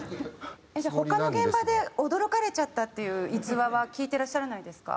じゃあ他の現場で驚かれちゃったっていう逸話は聞いてらっしゃらないですか？